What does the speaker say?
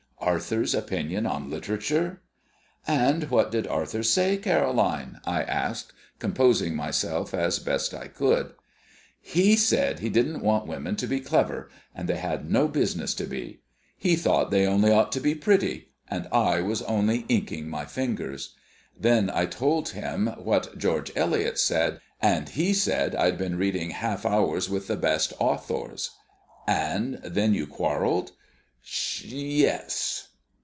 Arthur's opinion on literature! "And what did Arthur say, Caroline?" I asked, composing myself as best I could. "He said he didn't want women to be clever, and they had no business to be. He thought they only ought to be pretty, and I was only inking my fingers. Then I told him what George Eliot said, and he said I'd been reading Half Hours with the Best Authors." "And then you quarrelled?" "Ssh yes."